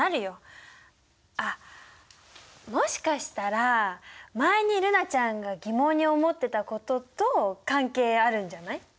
あっもしかしたら前に瑠菜ちゃんが疑問に思ってたことと関係あるんじゃない？